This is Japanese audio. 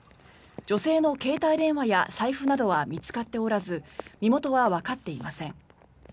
女性の携帯電話や財布などは見つかっておらず身元はわかっていません。